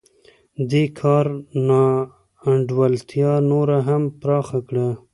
دې کار نا انډولتیا نوره هم پراخه کړه